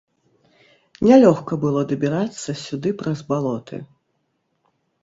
Нялёгка было дабірацца сюды праз балоты.